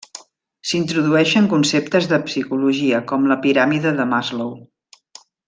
S'introdueixen conceptes de psicologia, com la piràmide de Maslow.